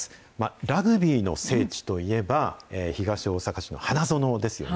ラグビーの聖地といえば、東大阪市の花園ですよね。